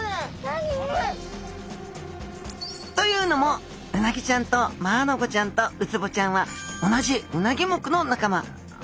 何！？というのもうなぎちゃんとマアナゴちゃんとウツボちゃんは同じウナギ目の仲間。